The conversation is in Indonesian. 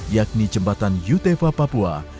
yakni jembatan yutefa papua